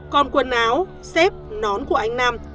còn quần áo xếp nón của anh nam